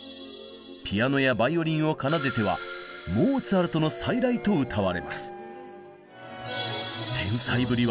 ピアノやバイオリンを奏でては「モーツァルトの再来」とうたわれます。